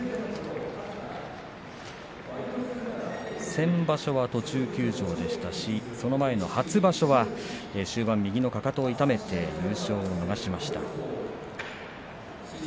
先場所は途中休場でしたしその前の初場所は終盤右のかかとを痛めて優勝を逃しました。